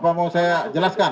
apa mau saya jelaskan